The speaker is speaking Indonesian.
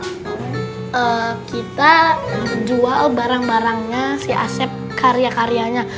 karena kita jual barang barangnya si asep karya karyanya